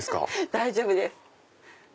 大丈夫です。